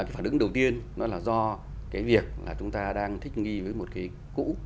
phản ứng đầu tiên là do việc chúng ta đang thích nghi với một cái cũ